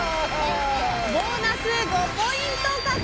ボーナス５ポイント獲得です。